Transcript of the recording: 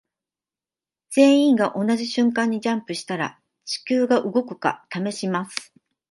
全員が同じ瞬間にジャンプしたら地球が動くか試します。